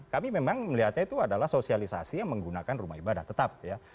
kami memang melihatnya itu adalah sosialisasi yang menggunakan rumah ibadah tetap ya